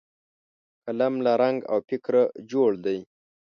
قلم له رنګ او فکره جوړ دی